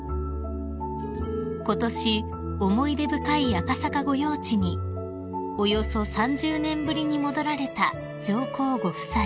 ［ことし思い出深い赤坂御用地におよそ３０年ぶりに戻られた上皇ご夫妻］